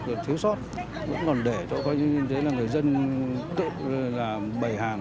việc thiếu sót vẫn còn để cho coi như thế là người dân tự làm bày hàng